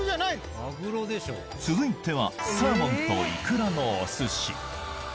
続いてはサーモンといくらのおすし。